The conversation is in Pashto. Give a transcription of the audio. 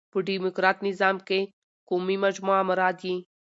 په ډيموکراټ نظام کښي قومي مجموعه مراد يي.